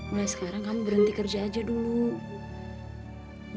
mulai sekarang kamu berhenti kerja aja dulu